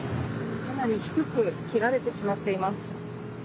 かなり低く切られてしまっています。